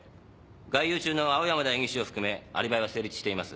外遊中の青山代議士を含めアリバイは成立しています。